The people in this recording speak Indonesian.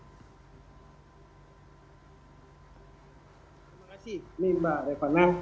ini mbak repana